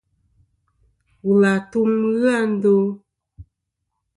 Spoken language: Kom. Wul àtum ghɨ a ndo.